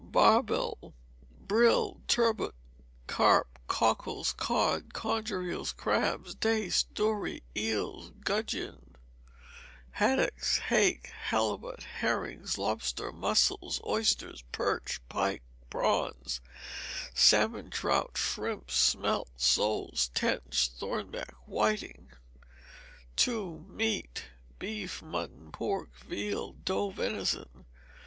Barbel, brill, turbot, carp, cockles, cod, conger eels, crabs, dace, dory, eels, gudgeon, haddocks, hake, halibut, herrings, lobsters, mussels, oysters, perch, pike, prawns, salmon trout, shrimps, smelts, soles, tench, thornback, whiting. ii. Meat. Beef, mutton, pork, veal, doe venison.